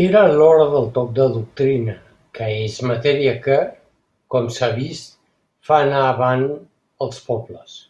Era l'hora del toc de doctrina, que és matèria que, com s'ha vist, fa anar avant els pobles.